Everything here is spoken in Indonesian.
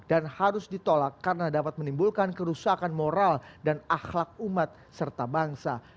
dan harus ditolak karena dapat menimbulkan kerusakan moral dan akhlak umat serta bangsa